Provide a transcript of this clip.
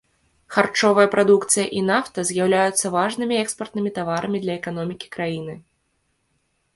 Харчовая прадукцыя і нафта з'яўляюцца важнымі экспартнымі таварамі для эканомікі краіны.